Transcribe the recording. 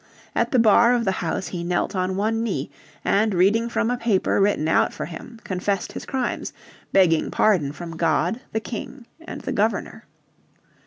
At the bar of the House he knelt on one knee, and reading from a paper written out for him confessed his crimes, begging pardon from God, the King, and the Governor.